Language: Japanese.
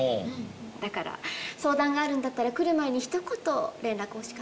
だから相談があるんだったら来る前にひと言連絡欲しかったかな。